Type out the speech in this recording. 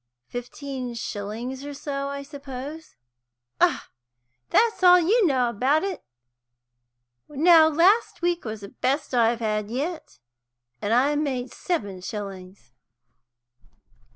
"Fifteen shillings or so, I suppose?" "Ah, that's all you know about it! Now, last week was the best I've had yet, and I made seven shillings."